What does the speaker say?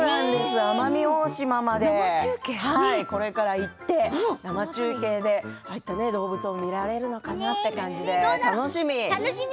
奄美大島までこれから行って生中継でああいった動物が見られるのかなという感じで楽しみ。